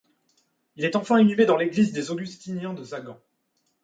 Il est enfin inhumé dans l'église des Augustiniens de Żagań.